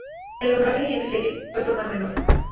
El Honorable Henry Legge fue su hermano menor.